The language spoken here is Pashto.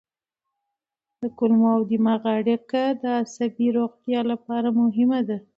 کولمو او دماغ اړیکه د عصبي روغتیا لپاره مهمه ده.